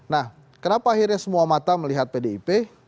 nah kenapa akhirnya semua mata melihat pdip